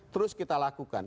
terus kita lakukan